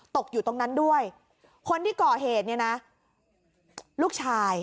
ตกอยู่ตรงนั้นด้วยคนที่ก่อเหตุเนี่ยนะลูกชาย